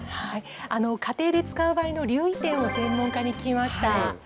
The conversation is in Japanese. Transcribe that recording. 家庭で使う場合の留意点を専門家に聞きました。